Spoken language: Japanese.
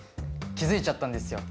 気付いちゃったんですよ。